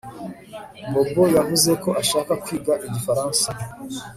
Bobo yavuze ko ashaka kwiga igifaransa